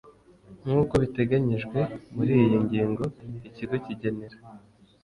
nk uko biteganyijwe muri iyi ngingo ikigo kigenera